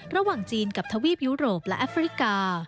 ระหว่างจีนกับทวีปยุโรปและแอฟริกา